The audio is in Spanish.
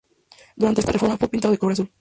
Durante esta reforma fue pintado de color azul.